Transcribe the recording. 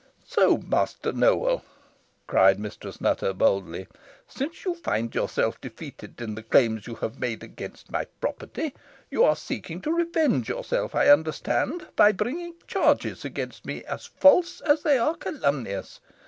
"So, Master Nowell," cried Mistress Nutter, boldly, "since you find yourself defeated in the claims you have made against my property, you are seeking to revenge yourself, I understand, by bringing charges against me as false as they are calumnious.